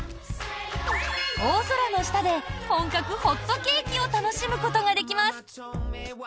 大空の下で本格ホットケーキを楽しむことができます。